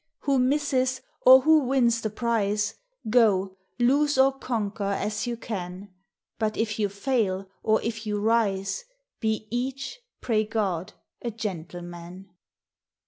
Who misses, or who wins the prize, — (Jo, lose or conquer as you can; But if you fail, or if you rise, Be each, pray God, a gentleman.